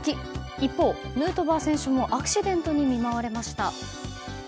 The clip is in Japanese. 一方、ヌートバー選手もアクシデントに見舞われました。